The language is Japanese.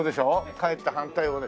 かえって反対をね。